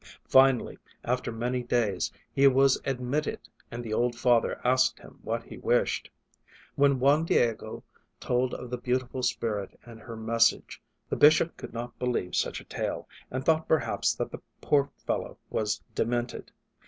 Finally, after many days, he was admitted and the old father asked him what he wished. When Juan Diego told of the beautiful spirit and her message, the bishop could not believe such a tale and thought perhaps that the poor fellow was demented.